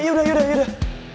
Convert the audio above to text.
yaudah yaudah yaudah